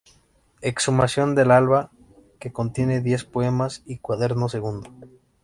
Exhumación del alba", que contiene diez poemas; y "Cuaderno segundo.